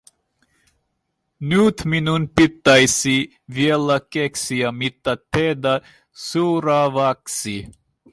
Nyt minun pitäisi vielä keksiä, mitä tehdä seuraavaksi.